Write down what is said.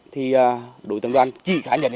thì đối tượng đoan chỉ khả nhận